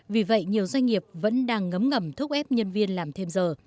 vì vậy nhiều doanh nghiệp vẫn đang ngấm ngầm thúc ép nhân viên làm thêm giờ